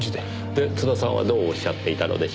で津田さんはどうおっしゃっていたのでしょう？